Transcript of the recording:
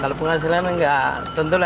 kalau penghasilan nggak tentu lah